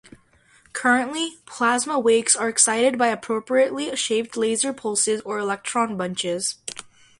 Currently, plasma wakes are excited by appropriately shaped laser pulses or electron bunches.